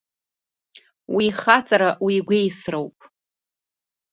Уи ихаҵара, уи игәеисра ауп.